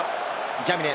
ジャミネ。